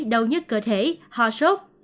đau nhứt cơ thể hò sốt